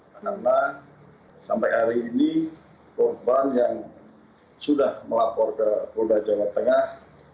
karena sampai hari ini korban yang sudah melapor ke polda jawa tengah